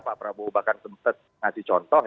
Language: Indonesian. pak prabowo bahkan sempat ngasih contoh